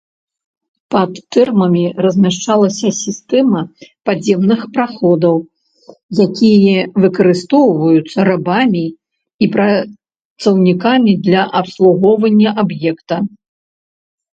Пад тэрмамі размяшчалася сістэма падземных праходаў, якія выкарыстоўваюцца рабамі і працаўнікамі для абслугоўвання аб'екта.